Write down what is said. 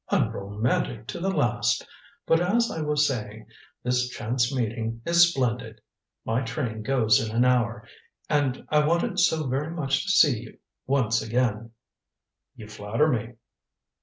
Unromantic to the last! But as I was saying, this chance meeting is splendid. My train goes in an hour and I wanted so very much to see you once again." "You flatter me."